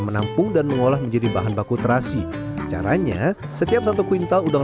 menampung dan mengolah menjadi bahan baku terasi caranya setiap satu kuintal udang